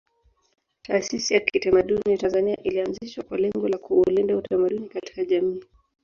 Taasisi ya kitamaduni Tanzania ilianzishwa kwa lengo la kuulinda utamaduni katika jamii